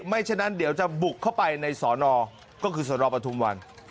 ฉะนั้นเดี๋ยวจะบุกเข้าไปในสอนอก็คือสนปทุมวัน